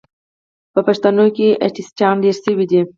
په پښتانو کې اتیستان ډیر سوې دي